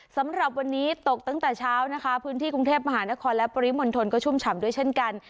สำหรับวันนี้ตกตั้งแต่เช้านะคะพื้นที่กรุงเทพมหานครและปริมณฑลก็ชุ่มฉ่ำด้วยเช่นกัน